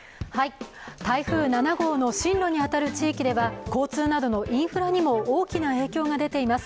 台風７号の進路に当たる地域では交通などのインフラにも大きな影響が出ています。